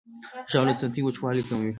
ژاوله د ستوني وچوالی کموي.